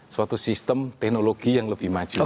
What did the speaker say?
suatu sistem teknologi yang lebih maju